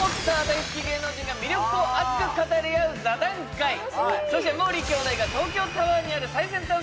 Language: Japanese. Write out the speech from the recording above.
大好き芸能人が魅力を熱く語り合う座談会そしてもーりー兄弟が東京タワーにある最先端